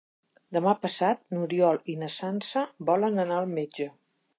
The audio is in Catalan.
Demà passat n'Oriol i na Sança volen anar al metge.